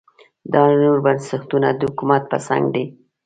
دا نور بنسټونه د حکومت په څنګ دي.